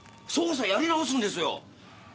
捜査やり直すんですよ！